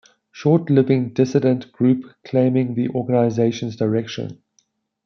Short living dissident group claiming the organisation's direction.